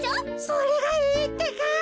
それがいいってか。